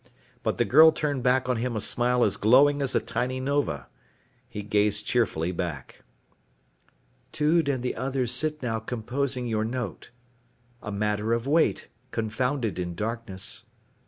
But the girl turned back on him a smile as glowing as a tiny nova. He gazed cheerfully back. "Tude and the others sit now composing your note. A matter of weight, confounded in darkness."